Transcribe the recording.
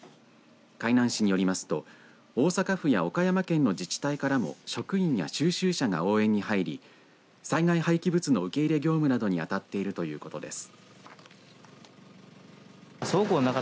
海南市によりますと大阪府や岡山県の自治体からも職員や収集車が応援に入り災害廃棄物の受け入れ業務などに当たっているということです。